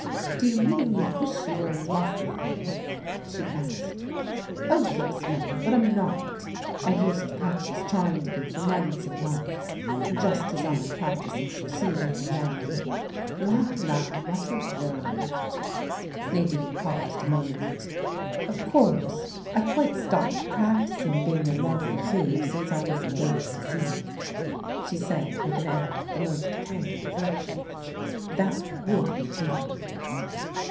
"Do you mean you wish you were in love with him?" she asked. "Oh, yes, Mama, but I'm not. I used to practice trying to be for months and months, just as I am practising for Seymour now. La, la, what a world!" Nadine paused a moment. "Of course I've quite stopped practising being in love with Hugh since I was engaged to Seymour," she said with an air of the most candid virtue. "That would be cheating."